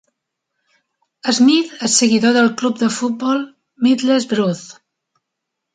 Smith és seguidor del club de futbol Middlesbrough.